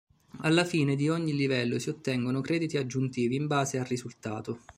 Alla fine di ogni livello si ottengono crediti aggiuntivi in base al risultato.